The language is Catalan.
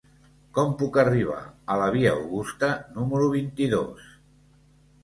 Com puc arribar a la via Augusta número vint-i-dos?